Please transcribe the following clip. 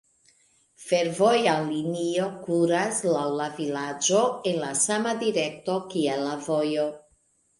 Fervoja linio kuras laŭ la vilaĝo en la sama direkto kiel la vojo.